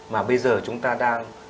mà bây giờ chúng ta đang